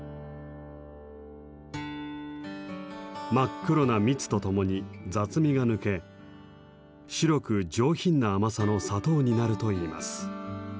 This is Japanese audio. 真っ黒な蜜とともに雑味が抜け白く上品な甘さの砂糖になるといいます。